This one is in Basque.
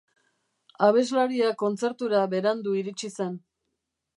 Abeslaria kontzertura berandu iritsi zen.